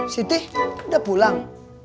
siti udah pulang